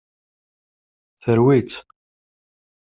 Terwi-tt.